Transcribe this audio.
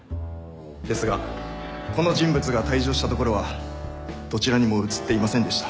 ですがこの人物が退場したところはどちらにも映っていませんでした。